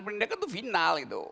penindakan itu final